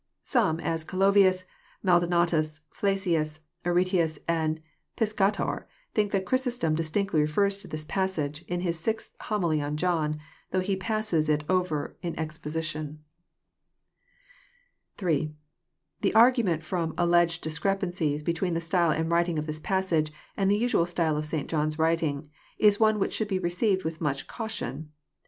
Some, as Calovlus, Maldonatus, Flaclus, Aretlus, and Flsca tor, think that Chrysostom distinctly refers to this passage, In bis Sixtieth Homily on John, though he passes It over in expo sition. 8. The argument from alleged discrepancies between the style and language of this passage, and the usual style of St. John's writing, is one which should be received with much caution.